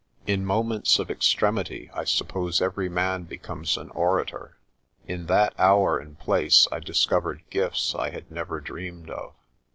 In moments of extremity I suppose every man becomes an orator. In that hour and place I discovered gifts I had never dreamed of.